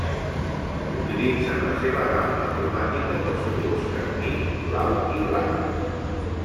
Utilitza en la seva gamma cromàtica dels colors carmí, blau i blanc.